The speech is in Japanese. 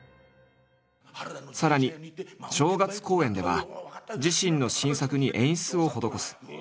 さらに正月公演では自身の新作に演出を施す。